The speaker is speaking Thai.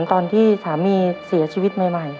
ตอนที่สามีเสียชีวิตใหม่